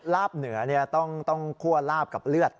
ลาบเหนือต้องคั่วลาบกับเลือด